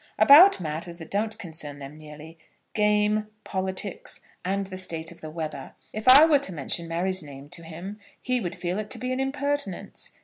"About matters that don't concern them nearly; game, politics, and the state of the weather. If I were to mention Mary's name to him, he would feel it to be an impertinence.